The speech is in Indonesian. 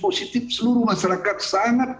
positif seluruh masyarakat sangat